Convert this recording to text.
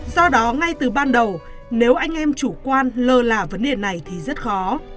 do đó ngay từ ban đầu nếu anh em chủ quan lơ là vấn đề này thì rất khó